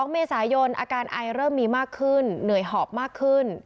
๒เมษายนอาการไอเริ่มมีมากขึ้นเหนื่อยหอบมากขึ้น